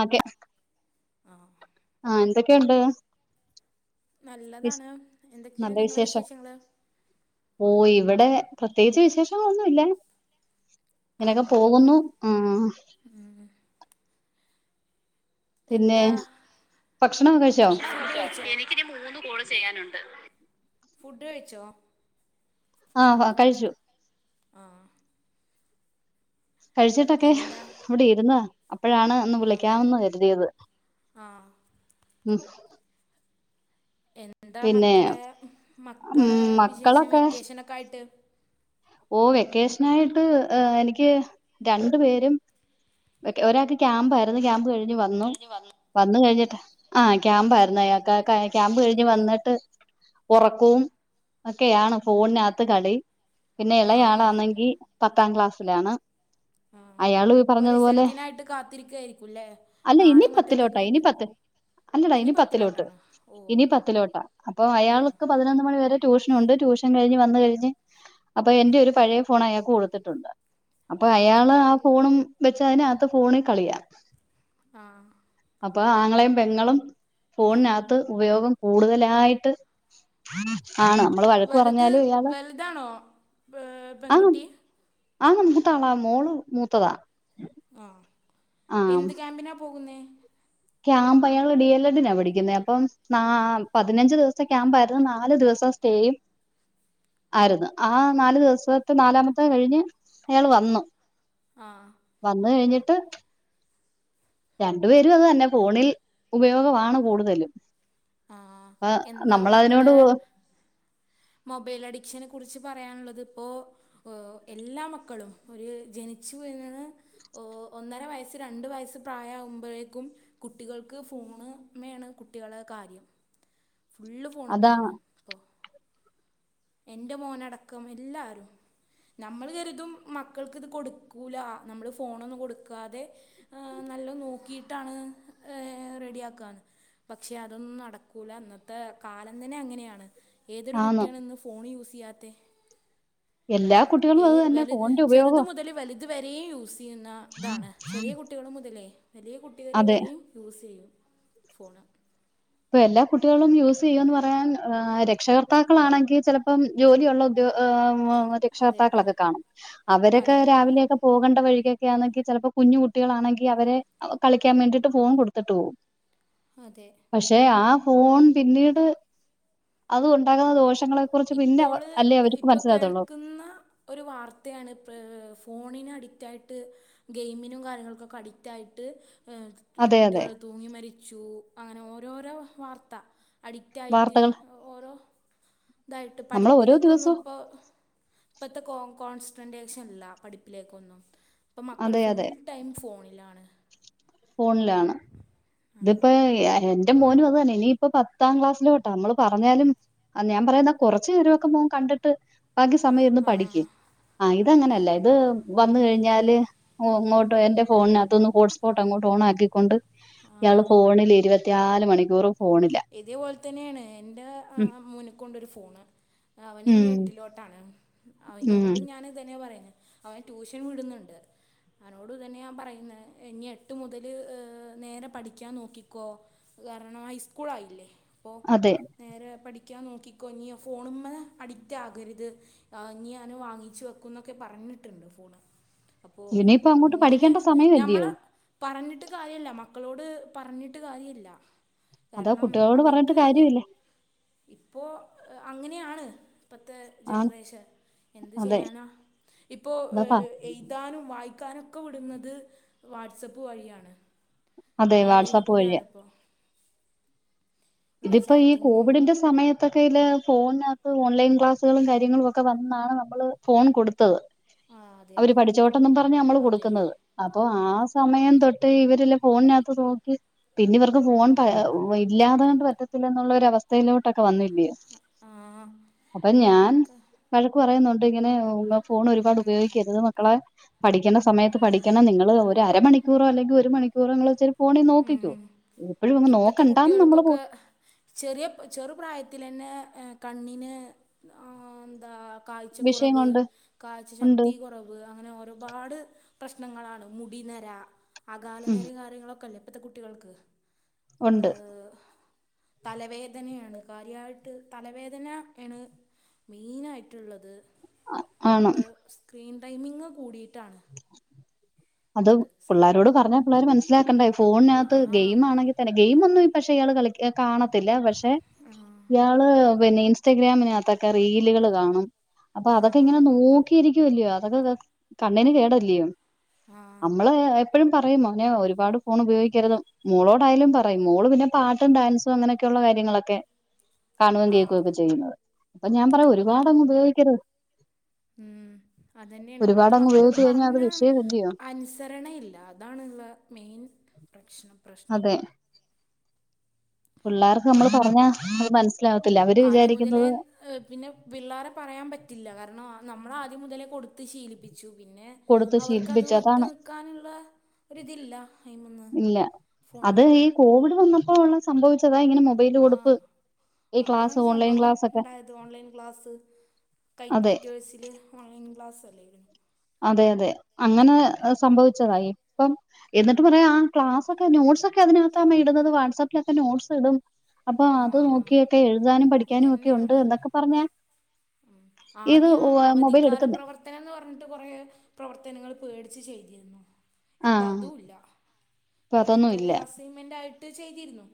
ആക്കെ ആഹ് ആഹ് ന്തൊക്കെണ്ട് നല്ലതാണ് എന്തൊക്കെയാ നല്ല നിങ്ങളെ വിശേഷം വിശേഷങ്ങള് ഓ ഇവടെ പ്രത്യേകിച്ച് വിശേഷങ്ങളൊന്നുല്ല ഇങ്ങനെക്കെ ആഹ് പോകുന്നു ഉം പിന്നെ എന്താ ഭക്ഷണൊക്കെ കഴിച്ചോ [inaudible] ഞ്ഞിക്ക് മൂന്ന് കോള് ചെയ്യാനുണ്ട് ഫുഡ് കഴിച്ചോ ആഹ് കഴിച്ചു ആഹ് കഴിച്ചിട്ടൊക്കെ എന്താ ഇവിടെ ഇരുന്ന് അപ്പഴാണ് ഒന്ന് ആഹ് വിളിക്കാന്ന് കരുതിയത് ആഹ് ഉം എന്താ പിന്നെ മക്കളെ മക്കളെ ഉം വിശേഷം മക്കളൊക്കെ വെക്കേഷനൊക്കെ ആയിട്ട് ഓഹ് വെക്കേഷനായിട്ട് എനിക്ക് രണ്ടു പേരും വെക്ക ഒരാൾക്ക് ക്യാമ്പ് ആരുന്നു ക്യാമ്പ് കഴിഞ്ഞ് വന്നു വന്ന കഴിഞ്ഞിട്ട് ആഹ് ക്യാമ്പായിരുന്നയാക്ക് ക്യാമ്പ് കഴിഞ്ഞ് വന്നിട്ട് ഒറക്കവും ഒക്കെയാണ് ഫോണിനകത്ത് കളി പിന്നെ ആഹ് ഇളയാളാണെങ്കി പത്താം ക്ലാസ്സിലാണ് [unintelligible] ആഹ് അയാള് പ്പൊ പറഞ്ഞതുപോലെ റിസൾട്ടിനായിട്ട് കാത്തിരിക്കയായിരിക്കും അല്ലേ അല്ല ഇനി നാളെ പത്തിലോട്ടാ ഇനി മറ്റന്നേക്കായിട്ട് പത്ത് ഇനി പത്തിലോട്ടാണ് ഓ ത്തിലോട്ട അപ്പൊ ആഹ് അയാൾക്ക് പതിനൊന്ന് മണി വരെ ട്യൂഷനുണ്ട് ട്യൂഷൻ കഴിഞ്ഞ് വന്ന് കഴിഞ്ഞ് അപ്പ എന്റെ ഒരു പഴയ ഫോൺ അയാൾക്ക് കൊടുത്തിട്ടുണ്ട് അപ്പൊ ആഹ് അയാള് ആ ഫോണും വെച്ച അയിനകത്ത് ഫോണ് കളിയാ ആഹ് അപ്പൊ ആങ്ങളെയും പെങ്ങളും ഫോണിനകത്ത് ഉപയോഗം കൂടുതലായിട്ട് ആണ് നമ്മള് വഴക്ക് വലുത് പറഞ്ഞാല ഇയാള് വലുതാണോ ആഹ് പെൺകുട്ടി ആഹ് മൂത്ത ആള മോള് മൂത്തതാ ആഹ് ആ എന്ത് ക്യാമ്പിനാ പോകുന്നേ ക്യാമ്പ് ആയാൾ ഡി എൽ എഡിനാണ് പഠിക്കുന്നത് അപ്പം ന പതിനഞ്ച് ദിവസം ക്യാമ്പായിരുന്നു നാല് ദിവസം സ്റ്റേയും [inaudible] ആയിരുന്നു ആ നാലു ദിവസത്തെ നാലാമത്തെ കഴിഞ്ഞ് അയാൾ വന്നു ആഹ് വന്ന് കഴിഞ്ഞിട്ട് രണ്ടു പേരും അത് തന്നെ ഫോണിൽ ഉപയോഗമാണ് കൂടുതലും ആഹ് അപ്പൊ എന്താ നമ്മളതിനോട് മക്കളെ മൊബൈൽ അഡിക്ഷനെ കുറിച്ച് പറയാനുള്ളത് ഇപ്പോൾ എല്ലാ മക്കളും ഒരു ജനിച്ചു വീഴുന്നത് ഒന്നര വയസ്സ് രണ്ട് വയസ്സ് പ്രായമാവുമ്പോഴേക്കും കുട്ടികൾക്ക് ഫോണ്മേണ് കുട്ടികളെ കാര്യം ഫുള്ള് അതാ ഫോണമ്മയാണ് ഇപ്പോൾ എന്റെ മോനടക്കം എല്ലാരും നമ്മൾ കരുതും മക്കൾക്ക് ഇത് കൊടുക്കൂല നമ്മള് ഫോണൊന്നും കൊടുക്കാതെ ആഹ് നല്ലോ നോക്കിയിട്ടാണ് ഏഹ് റെഡിയ ആക്കന്ന് പക്ഷെ അതൊന്നും നടക്കൂല ഇ ന്നത്തെ കാലം തന്നെ അങ്ങനെയാണ് ഏതൊരു ആന്ന് കുട്ടിയാണ ഇന്ന് ഫോൺ യൂസ് ചെയ്യാത്ത എല്ലാ കുട്ടികളും അത് ഏഹ് തന്നെ വലുത് ഫോണിന്റെ ചെറുത് ഉപയോഗം മുതല് വലു ഇതുവരെയും യൂസ് ചെയ്യുന്ന ഇതാണ് ചെറിയ കുട്ടികൾ മുതലേ വലിയ കുട്ടികർ അതെ വരെയും യൂസ് ചെയ്യും ഫോൺ ഇപ്പൊ എല്ലാ കുട്ടികളും യൂസ് ചെയ്യന്ന് പറയാൻ രക്ഷകർത്താക്കളാണെങ്കിൽ ചിലപ്പം ജോലിയുള്ള അതെ രക്ഷകർത്താക്കളൊക്കെ കാണും അവരക്കൊ അതെ അതെ രാവിലെ പോകേണ്ട വഴിക്കെയാണെങ്കിൽ ചിലപ്പോൾ കുഞ്ഞു കുട്ടികളാണെങ്കിൽ അവരെ കളിക്കാൻ വേണ്ടിയിട്ട് ഫോൺ കൊടുത്തിട്ട് പോകും അതെ പക്ഷെ ആ ഫോൺ പിന്നീട് അത് ഉണ്ടാക്കുന്ന ദോഷം ഇപ്പോള് ഇപ്പൊ കേൾക്കുന്ന ഒരു വാർത്തയാണ് ഇപ്പൊ ഫോണിന് അഡിക്റ്റായിട്ട് ഗെയിമിനും കാര്യങ്ങളക്കൊക്കെ അഡിക്റ്റ് ആയിട്ട് അതെ അതെ കുട്ടികൾ തൂങ്ങി മരിച്ചു അങ്ങനെ ഓരോരോ വാർത്ത അഡിക്റ്റ ആയിട്ട് വാർത്തകൾ ഓരോ ഇതായിട്ട് നമ്മൾ ഓരോ പഠിപ്പിലൊക്ക ഒന്നും ദിവസവും ഇപ്പോ ഇപ്പോഴത്തെ കോ കോൺസെൻട്രേഷൻല്ല പഠിപ്പിലേക്കൊന്നും ഇപ്പം മക്കൾ അതെ ഫുൾ അതെ ടൈം ഫോണിലാണ് ഫോണിലാണ് ഇതിപ്പോ ന്റെ മോനും അതന്നെ ഇനിയിപ്പ പത്താം ക്ലാസ്സിലോട്ട നമ്മള് പറഞ്ഞാലും ആഹ് ഞാൻ പറയുന്നാ കുറച്ചു നേരമൊക്കെ മോൻ കണ്ടിട്ട് ബാക്കി സമയം ഇര്ന്ന് ആ ആ പഠിക്ക് ആഹ് ഇത് അങ്ങനെയല്ല ഇത് വന്ന കഴിഞ്ഞാല് അങ്ങോട്ട് എന്റെ ഫോണിനകത്തൊന്ന് ഹോട്ട്സ്പോട്ട് അങ്ങോട്ട ഓൺ ആക്കിക്കൊണ്ട് ഇയാള് ആ ഫോണില് ഇരുപത്തിയാല് മണിക്കൂറും ഫോണിലാ ഉം കൊണ്ടൊരു ഫോണ് അവന് ഉം ഇനി എട്ടിലോട്ടാണ് ഉം അവനോട് ഞൻ ഇതന്നെ പറയുന്നു അവൻ ട്യൂഷൻ വിടുന്നുണ്ട് അവനോട് തന്നെയ ഞാൻ പറയുന്നെ ഇനി എട്ട് മുതൽ ഹ് നേരെ പഠിക്കാൻ നോക്കിക്കോ കരണം ഹൈസ്കൂളായില്ലേ പ്പോ അതെ നേരെ പഠിക്കാൻ നോക്കിക്കോ ഇഞ്ഞി ഫോണുമ്മ അഡിക്റ്റ് ആകര്ത് ആ ഇഞ്ഞിയാൻ വാങ്ങിച്ചു വെക്കു ന്നൊക്കെ പറഞ്ഞിട്ടുണ്ട് ഫോണ് അപ്പോ ഇനിയിപ്പ അങ്ങോട്ട് മോന് പഠിക്കേണ്ട സമയമല്ലയോ നമ്മള് പറഞ്ഞിട്ട് കാര്യല്ല മക്കളോട് പറഞ്ഞിട്ട് കാര്യല്ല അതാ കാരണം കുട്ടികളോട് പറഞ്ഞിട്ട് അവർക്ക് കാര്യമില്ല ഇപ്പോ അങ്ങനെയാണ് ഇപ്പത്തെ ആണ് ജനറേഷൻ എന്ത് അതെ ചെയ്യാനാ ഇപ്പോ അതാപ്പ ഹ് എഴ്താനും വായിക്കാനും ക്ക വിടുന്നത് വാട്സപ്പ് വഴിയാണ് അതെ ഓൺലൈനിൽ വാട്സാപ്പ് വഴിയ കൂടിയാണ് ഇപ്പോൾ ഉള്ള ഇതിപ്പോ ഈ ചാറ്റിങ്ങും കോവിഡിന്റെ സ സമയത്തൊക്കയ്‌ല് ഫോൺണകത്ത് ഓൺലൈൻ ക്ലാസ്സുകളും കാര്യങ്ങളും ഒക്കെ വന്നാണ് നമ്മള് ഫോൺ കൊടുത്തത് ആ അതെ അവര് അതെ അതെ പഠിച്ചോട്ടുന്നും പറഞ്ഞ അമ്മള് അതെ കൊടുക്കുന്നത് അപ്പൊ ആ സമയം തൊട്ടേ ഇവരെല്ലം ഫോൺനകത്ത് നോക്കി പിന്നെ ഇവർക്ക് ഫോൺ പ ഇല്ലാദങ്ങട്ട് പറ്റത്തില്ലന്നുള്ള ഒരവസ്ഥയിലോട്ടൊക്കെ വന്നില്ല്യോ ആഹ് ആഹ് അപ്പം ഞാൻ വഴക്ക് പറയുന്നുണ്ട് ഇങ്ങനെ ഹ് ഫോൺ ഒരുപാട് ഉപയോഗിക്കരുത് മക്കളെ പഠിക്കണ്ടസമയത്ത് പഠിക്കണം നിങ്ങൾ ഒരു അരമണിക്കൂറോ അല്ലെങ്കി ഒരു മണിക്കൂറോങ്ങള്ച്ചിരി ഫോണി നോക്കിക്കോ ഉം എപ്പോഴും അങ്ങ് ഇപ്പത്തെ നോക്കണ്ടാന്ന് നമ്മള് പോ കുട്ടികൾക്കൊക്കെ ചെറിയ ചെറുപ്രായത്തിലന്നെ കണ്ണിന് ആഹ് ന്താ വിഷയം കാഴ്ചക്കുറവ് കൊണ്ട് കാഴ്ച ഉണ്ട് ശക്തി കുറവ് വ് അങ്ങനെ ഒരുപാട് പ്രശ്നങ്ങളാണ് മുടിനര അകാലനെരിം കാര്യങ്ങളൊ ക്കല്ലെ ഇപ്പത്തെ കുട്ടികൾക്ക് ഉണ്ട് ആഹ് തലവേദനിയാണ് കാര്യയിട്ട് തലവേദന ഏണ് മെയിനായ്‌ട്ട്ള്ളത് ആണ് പ്പ സ്ക്രീൻ ടൈമിങ് കൂടിയിട്ടാണ് അത് പിള്ളാരോട് പറഞ്ഞാ പിള്ളേര് മനസ്സ്ലാക്കണ്ടേ ഫോൺനകത്ത് ആ ഗെയിം ആണെങ്കി ക്കെണ് ഗെയിം ഒന്നും പക്ഷെ ഇയാള് കളി കാണത്തില്ല പക്ഷെ യാ യാള് പിന്ന ഇൻസ്റ്റഗ്രാമിനകത്തൊക്കേ റീലുകള് കാണും അപ്പോ ആ അതൊക്കങ്ങനെ നോ ക്കിരിക്കുവല്ലയോ അതൊക്കെ ക് കണ്ണിന് കേടല്ലയോ ആ അമ്മള് എ പ്പഴും പറയും മോനേ ഒരുപാട് ഫോണ് ഉപയോഗിക്കരുത് മോളോടായാലും പറയും മോള് പിന്നെ പാട്ടും ഡാൻസും അങ്ങനൊക്കെയുള്ള കാര്യങ്ങളൊക്കെ കാണോം ആഹ് കേകൊക്കേ ചെയ്യുന്നത് അപ്പൊ ഞാൻ പറയും ഒരുപാടങ്ങ് ഉപയോഗിക്കരുത് മ്മ്ഹ് അതന്നെണ് ഇപ്പത്തെ ഒരുപാടങ്ങ് മക്കളോട് ഉപയോഗിച്ച് കഴിഞ്ഞാൽ അത് പറഞാ വിഷയമല്ലയോ അന്സരണയില്ലാ താണ്ള്ള മെയിൻ പ്രശ്നം പ്രശ്നം അതെ പിള്ളാർക്ക് നമ്മള് പറഞ്ഞാ അത് മനസ്സിലാവത്തില്ല അ ആദ്യം മുതലേ ഹ് പിന്നെ പിള്ളാരെ പറയാ പറ്റില്ല കാരണം നമ്മളാദ്യം മുതലേ കൊടുത്ത് ശീലിപ്പിച്ചു പിന്നെ കൊടുത്ത് അവർക്ക് അത് ശീലിപ്പിച്ച് വിട്ട് അതാണ് നിക്കാനുള്ള ഒരിതില്ല അയ്മന്ന് ഇല്ല അത് ഈ കോവിഡ് വന്നപ്പോ ഉള്ള സംഭവിച്ചതാ ഇങ്ങനെ മൊബൈല് കൊടുപ്പ് ആഹ് ഈ ക്ലാസ് അതാണ് ഓൺലൈൻ സംഭവം ക്ലാസ് ഒക്കെ ണ്ടായത് ഓൺലൈൻ ക്ലാസ് അതെ കൈറ്റ് വിറ്റേഴ്സില് ഓൺലെയിൻ ക്ലാസ്സല്ലേഞോ അതെ അതെ അങ്ങനെ സംഭവിച്ചതാ ഇപ്പം എന്നിട്ട് പറയാ ആഹ് ക്ലാസൊക്കെ നോട്സൊക്കെ അതിനകത്താമ്മെ ഇടുന്നത് വാട്സപ്പിലൊക്കെ നോട്സ് ഇടും അപ്പൊ അത് ആഹ് നോക്കിയക്കെ എഴുതാനും പഠിക്കാനും ഒക്കെ ഉണ്ട് ഇതന്നെയാണ് എന്തൊക്കെ പറഞ്ഞാ ഇത് ഉഹ മൊബൈലടുക്കുന്നേ ട്ടേന്ന് പർഞ്ഞിട്ട് കൊറേ പ്രവർത്തനങ്ങള് പേട്ച്ച് ചെയ്തിന്നു. ആഹ് ഇപ്പതുല്ല ഇപ്പൊ അതൊന്നും ഇവടെക്കൊരു ഇല്ല. അസൈൻമെൻ്റായിട്ട് ചെയ്തിരുന്നു.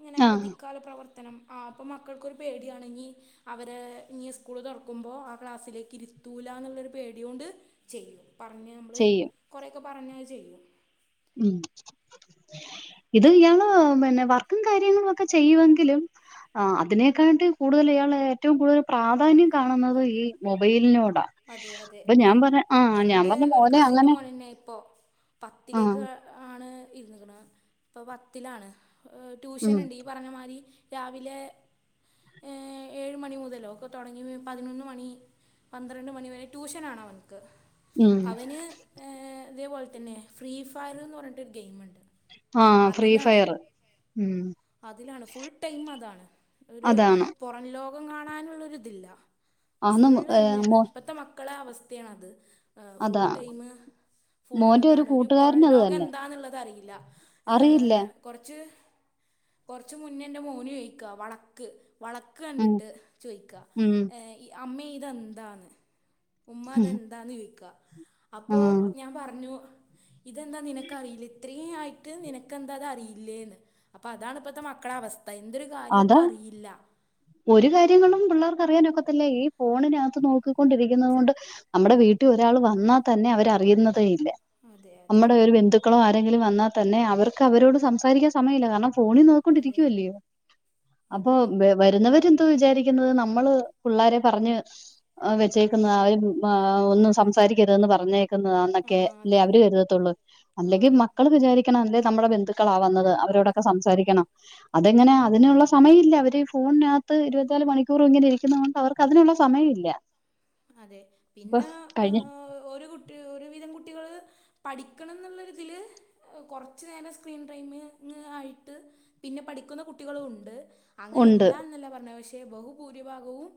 ഇങ്ങനെ ആഹ് അവധിക്കാല പ്രവർത്തനം ആഹ് അപ്പം മക്കൾക്കൊരു പേട്യാണ് ഞ് അവരെ ഇഞ് സ്കൂള് തൊർക്കുമ്പോ ആ ക്ലാസ്സിലേക്ക് ഇരുത്തൂലാന്ന്ള്ളൊരു പേട്യോണ്ട് ചെയ്യും പറഞ്ഞാ അമ്മള് ചെയ്യും. കൊറേ ഒക്കെ പറഞ്ഞാ അത് ചെയ്യും. ഉം ഇത് [unintelligible] തന്നെ വർക്കും കാര്യങ്ങളൊക്കെ ചെയ്യും ങ്കിലും ആഹ് അതിനേക്കാട്ടി കൂടുതല് ഇയാള് ഏറ്റവും കൂടുതൽ പ്രാധാന്യം കാണുന്നത് ഈ മൊബൈൽനോടാ അതെ അതെ എന്റെ പറഞ്ഞ് ഒരു മോനെ കസിൻൻ്റെ അങ്ങനെ മോനെന്നെ ഇപ്പോ ആഹ് പത്തിലേക്ക് ആണ് ഇര്ന്ന്ക്ക്ണ് ഇപ്പൊ പത്തിലാണ്. ഏഹ് ഉം ട്യൂഷന്ണ്ട് ഈ പർഞ്ഞ മാരി രാവിലെ ഏഹ് ഏഴ് മണി മുതലൊക്കെ തൊടങ്ങ് ണെ പതിനൊന്ന് മണി പന്ത്രണ്ട് മണിവരെ ട്യൂഷനാണ് അവൻക്ക് ഉം അവന് ഏഹ് ഇത് അതേപോല് തെന്നെ ഫ്രീ ഫയർന്ന് പർഞ്ഞിട്ടൊരു ഗെയിമ്ണ്ട് ആഹ് ഫ്രീ ഫയറ് ഉം അതിലാണ് ഫുൾ ടൈം അതാണ് ഒര് അതാണ് പൊറം ലോകം കാണാന്ള്ളൊര് ഇതില്ല അന്ന് ഫോണാണ് ഏഹ് എ മോ ഇപ്പത്തെ മക്കളെ അവസ്‌ഥേണത് ഏഹ് ഫുൾ അതാ ടൈമ് മോന്റെ ഒരു ഫോണിലാണ് ഒര് പൊറം കൂട്ടുകാരന് അത് ലോകം തന്നെ എന്താന്ന്ള്ളത് അറിയില്ല അറിയില്ല ഏഹ് കൊറച്ച് കൊറച്ച് മുന്നെന്റെ മോന് ചോയിക്ക വളക്ക് വള ക്ക് ഉം കണ്ടിട്ട് ചോയിക്ക ഉം ഏഹ് ഇ അമ്മേ ഇതെന്താന്ന് ഉമ്മ ഉം അതെന്താന്ന് ചോയിക്കാ ആ. അപ്പൊ ഞാൻ പർഞ്ഞു ഇതെന്താ നിനക്കറിയില്ലേ ഇത്രേ ആയിട്ട് നിനക്കെന്താ അതറിയില്ലേന്ന് അപ്പതാണ് ഇപ്പത്തെ മക്കളവസ്ഥ എന്തൊരു കാര്യോം അതാ പ്പറിയില്ല ഒരു കാര്യവും ഈ പിള്ളേർക്കറിയാനൊക്കത്തില്ല ഈ ഫോണിനകത്ത് നോക്കിക്കൊണ്ടിരിക്കുന്നത് കൊണ്ട് നമ്മടെ വീട്ടി ഒരാള് വന്നാ തന്നെ അവരറിയുന്നതേ ഇല്ല അതെ അതെ നമ്മടെ ഒരു ബന്ധു ക്കളാരെങ്കിലും വന്നാ തന്നെ അവര്ക്ക് അവരോട് സംസാരിക്കാൻ സമയല്ല കാരണം ഫോണില് അതെ കൊണ്ടിരിക്കുവല്ലയോ അപ്പൊ അതെ [unintelligible] വര്ന്നവരെന്ത് വിചാരിക്കുന്നത് നമ്മള് പിള്ളാരെ പറഞ്ഞ് എഹ് വെച്ചേക്കുന്ന ആ ഒര് ആഹ് ആ ഒന്നും സംസാരിക്കരുതന്ന് ആ പറഞ്ഞേക്കുന്നന്നൊക്കെ ല്ലേ അതെ അവര് കരുതത്തൊള്ളൂ അല്ലെങ്കി ആ മ ക്കള് വിചാരിക്കണം അല്ലേ നമ്മടെ ബന്ധുക്കളാ വന്നത് അവരോടൊക്കെ സംസാരിക്കണം അതെങ്ങനെ അതിനുള്ള സമയല്ല അവര് ഫോണിനകത്ത് ഇരുപത്തിനാല് മണിക്കൂർ ഇങ്ങനെ ഇരിക്കുന്ന കൊണ്ട് അവർക്ക് അതിനുള്ള സമയമില്ല അതെ പിന്നെ ആഹ് ഒരു കുട്ടി ഒരു വിധം കുട്ടികള് പഠിക്കണം ന്ന്ള്ളൊരിതില് കൊറച്ചു നേരം സ്ക്രീൻ ടൈംമ് ഇങ്ങനായിട്ട് പിന്നെ പഠിക്കുന്ന കുട്ടികളുണ്ട്. ഉണ്ട് അങ്ങനെല്ല ന്നല്ല പർഞ്ഞെ പക്ഷേ ബഹുഭൂരിഭാഗവും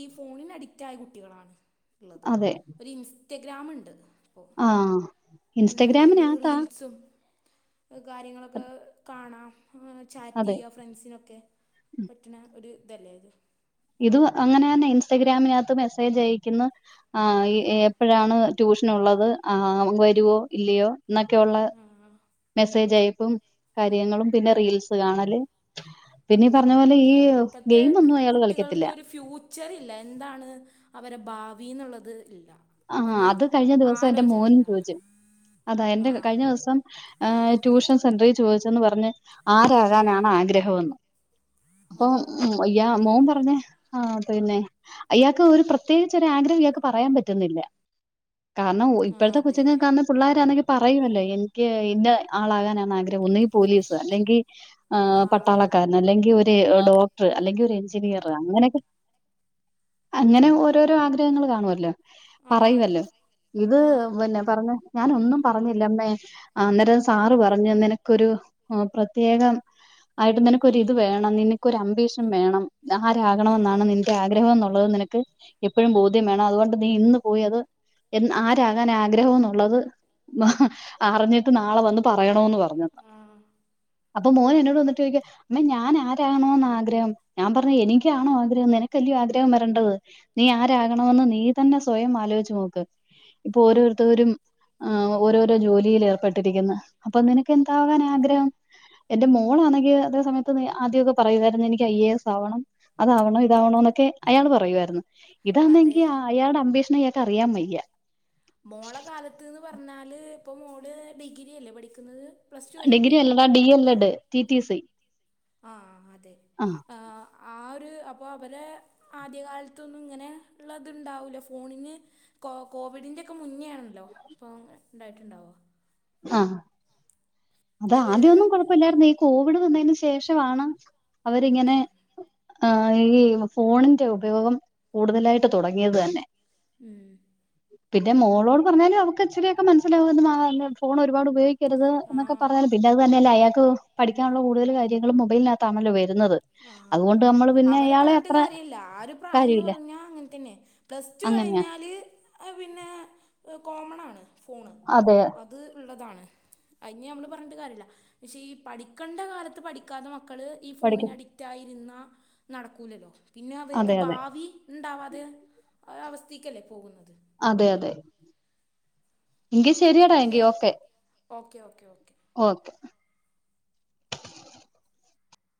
ഈ ഫോണിന് അഡിക്റ്റായ കു ട്ട്യെളാണ് ഉള്ളത് അതെ ഒരു ഇൻസ്റ്റഗ്രാമ്ണ്ട് പ്പോ ആഹ് പ്പൊണ്ടായിട്ട് അയ്‌ലൊരു ഇൻസ്റ്റഗ്രാമിനകത്താ റീൽസും കാര്യങ്ങളൊക്കെ കാണാം ഇങ്ങനെ അതെ ചാറ്റെയ്യാം ഫ്രണ്ട്സിനൊക്കെ പറ്റ്ണ ഒര് ഇതല്ലേ [unintelligible] ഇതും അങ്ങനെന്നെ ഇൻസ്റ്റഗ്രാമിനകത്ത് മെസ്സേജയക്കുന്നു ആഹ് ഇ ഉം. എ പ്പഴാണ് ട്യൂഷനുള്ളത് ആഹ് ഉം. വെരോ ഇല്ലയോ ന്നക്കെള്ള ആ മെസ്സേജയക്കും കാര്യങ്ങളും പിന്നെ റീൽസ് കാണാലും പിന്നെ ഈ ഉം പറഞ്ഞ പോലെ ഈ ഗെയിം ഒന്നും അയാൾ കളിക്കത്തില്ല ചെറയില്ല എന്താണ് അവരെ ഭാവി എന്നുള്ളത് ഇല്ല ആഹ് ഒരു അത് കഴിഞ്ഞ ദിവസം എന്റെ മോനും ആലോചനല്ല ചോദിച്ചു അതാ എന്റെ ആ കഴിഞ്ഞ ദിവസം ആഹ് ട്യൂഷൻ സെന്ററിൽ ചോദിച്ചന്ന് പറഞ്ഞ് ആരാകാനാണ് ആഗ്രാഹം എന്ന് ആ അപ്പം അയ്യ മോൻ പറഞ്ഞേ ആ പിന്നെ അയാക്ക് ഒരു പ്രത്യേകിച്ച് ഒരു ആഗ്രഹം ഇയാൾക്ക് പറയാൻ പറ്റും പറ്റുന്നില്ല കാരണം ആ ഇപ്പോഴത്തെ അതെ കൊച്ചുങ്ങൾക്കതൊന്നും പിള്ളോരണെങ്കിൽ പറയുമല്ലോ എനിക്ക് ഇന്ന ആളാകാനാണ് ആഗ്രഹം ഒന്നുകിൽ പോലീസ് അല്ലെങ്കിൽ ആ പട്ടാളക്കാരൻ അല്ലെങ്കിൽ ഒരു ആ ഡോക്ടർ അല്ലെങ്കിൽ ഒരു എഞ്ചിനീയർ അങ്ങനെയൊക്കെ അങ്ങനെ ഓരോരോ ആഗ്രഹങ്ങൾ കാണുവല്ലോ ആ പറയുവല്ലോ ഇത് ആ പിന്നെ പറഞ്ഞ ഞാനൊന്നും പറഞ്ഞില്ലമ്മേ അന്നേരം സാറ് പറഞ്ഞു നിനക്കൊരു പ്രത്യേകം ആയിട്ട് നിനക്കൊരു ഇത് വേണം നിനക്ക് അംമ്പീഷൻ വേണം ആരാകണമെന്നാണ് നിന്റെ ആഗ്രഹം എന്നുള്ളത് നിനക്ക് എപ്പോഴും ബോധ്യം വേണം അതുകൊണ്ട് അപ്പൊ നീ ഇന്ന് പോയത് ആരാകാൻ ആഗ്രഹംന്നുള്ളത് അറിഞ്ഞിട്ട് നാളെ വന്ന് പറയണന്ന് പറഞ്ഞെന്ന് അപ്പൊ മോന് എന്നോട് വന്നിട്ട് ചോദിക്ക അമ്മെ ഞാനാരാകണോന്നാഗ്രഹം ഞാൻ പർഞ്ഞ് എനിക്കാണോ ആഗ്രഹം നാനക്കല്ല്യോ ആഗ്രഹം വരണ്ടത് നീ ആരാകണോന്ന് നീ തന്നെ സ്വയം ആലോച്ചോക്ക് ഇപ്പൊരോര്ത്തരും ആഹ് ഓരോരോ ജോലീയിൽ ഏർപ്പെട്ടിരിക്കിന്ന് അപ്പൊ നിനക്ക് എന്താകാനാഗ്രഹം എന്റെ മോളാന്നെങ്കി അതേ സമയ്ത്ത് ആദ്യൊക്കെ പറയുവാര്ന്ന് എനിക്ക് ഐ എ എസ് ആവണം അതാവണോ ഇതാവണോന്നൊക്കെ അയാള് പറയുവാര്ന്നു അതെ ഇതാന്നെങ്കി അയാടെ അമ്പീഷ്നായാക്ക് അറിയാൻ വയ്യ മോളകാലത്ത്ന്ന് പർഞ്ഞാല് ഇപ്പൊ മോള് ഡിഗിരിയല്ലേ പഠിക്കുന്നത് പ്ലസ് ടു ഡിഗ്രി കഴിഞ്ഞില്ലേ അല്ലടാ D El Ed T T C ആഹ് അതെ ആഹ് ആഹ് ഒരു അപ്പൊ അവരെ ആദ്യകാലത്തൊന്നും ഇങ്ങനെ ഇള്ളതിണ്ടാവുല ഫോണിങ്ങ് കോ കോവിഡിന്റെ ഒക്കെ മുന്നേണല്ലോ പൊ ഇണ്ടായ്ട്ടിണ്ടാവാ ആഹ് ഇവരെ അതാദ്യൊന്നും കൊഴ് പല്ലർനേ ഈ കോവിഡ് വന്നേന് ശേഷവാണ് അവരിങ്ങനെ ഉം, ആഹ് ഈ ഫോണിന്റെ ഉപയോഗം കൂടുതലായിട്ട് തുടങ്ങിയതെന്നെ ഉം പിന്നെ മോളോട് പറഞ്ഞാലും അവക്ക് ഇച്ചിരിയൊക്കെ മൻസ്സിലാവ്ന്നുണ്ട് [unintelligible] ഫോൺ ഒരുപാട് ഉപയോഗിക്കര്ത് ന്നൊക്കെ ആ പറയാറില്ലെ അത് തന്നെയല്ല അയാക്ക് പഠിക്കാള്ള കൂട്തൽ കാര്യങ്ങളും മൊബൈൽനാത്താന്നല്ലോ വര്ന്നത് ആഹ് അതുകൊണ്ട് ആഹ് നമ്മള് പിന്നെ അവരെ ഇയാളെ പർഞ്ഞിട്ട് അത്ര കാര്യല്ല ആഹ് ഒരു പ്രായംന്ന് കാര്യമില്ല പർഞ്ഞാ അങ്ങെനെ തന്നെ പ്ലസ് ടു അങ്ങനെയാ കഴ്ഞ്ഞാല് അഹ് പിന്നെ എഹ് കോമണാണ് ഫോണ് അതെ അത് ഇള്ളതാണ് അയിഞ്ഞ് ഞമ്മള് പർഞ്ഞിട്ട് കാര്യല്ല പക്ഷെ ഈ പഠിക്കണ്ട കാലത്ത് പഠിക്കാത്ത മക്കള് ഈ പഠിക്കും ഫോണിന് അഡിക്റ്റായിര്ന്നാ നടക്കൂലല്ലോ പിന്നെ അവര്ക്ക് അതെ അതെ ഭാവി ഇണ്ടാവാതെ അവസ്ഥീക്കല്ലേ പോകുന്നത് അതെ അതെ എങ്കി ശരിയടാ എങ്കി okay okay okay okay okay